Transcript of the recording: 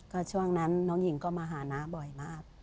ก็ช่วงนั้นน้องหญิงก็มาหาน้าบ่อยมาก